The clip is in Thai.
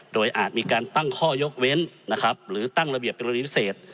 โดยอาจมีการตั้งข้อยกเว้นหรือตั้งระเบียบเป็นรวดีพิเศษ